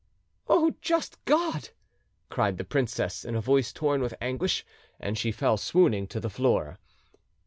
"O just God!" cried the princess, in a voice torn with anguish, and she fell swooning to the floor.